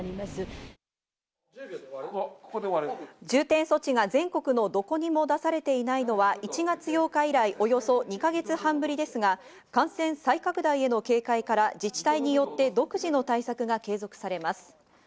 重点措置が全国のどこにも出されていないのは１月８日以来、およそ２か月半ぶりですが感染再拡大への警戒から自治体によって独自の対策が継続されます。